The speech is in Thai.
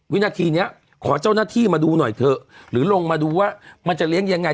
วินาทีนี้ขอเจ้าหน้าที่มาดูหน่อยเถอะหรือลงมาดูว่ามันจะเลี้ยงยังไง